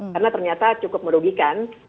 karena ternyata cukup merugikan